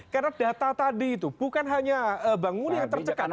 karena data tadi itu bukan hanya bang mun yang tercekat